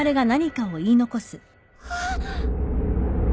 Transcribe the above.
あっ！